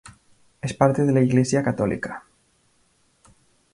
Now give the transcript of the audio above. Es parte de la Iglesia Católica.